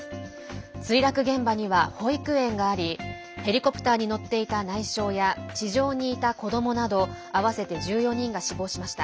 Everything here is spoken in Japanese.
墜落現場には保育園がありヘリコプターに乗っていた内相や地上にいた子どもなど合わせて１４人が死亡しました。